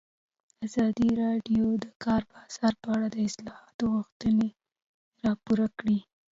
ازادي راډیو د د کار بازار په اړه د اصلاحاتو غوښتنې راپور کړې.